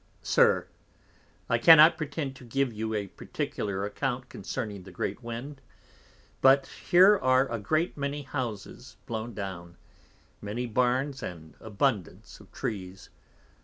SIR, I cannot pretend to give you a particular account concerning the great Wind, but here are a great many Houses blown down, many Barns, and abundance of Trees.